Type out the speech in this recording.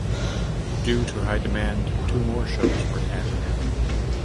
Due to high demand two more shows were added.